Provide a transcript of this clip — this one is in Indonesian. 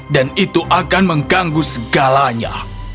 dan itu akan mengganggu segalanya